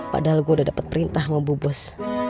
padahal gue udah dapet perintah sama bu bos